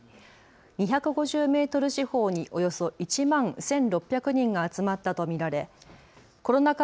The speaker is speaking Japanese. ２５０メートル四方におよそ１万１６００人が集まったと見られコロナ禍